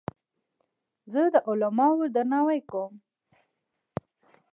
زه د علماوو درناوی کوم.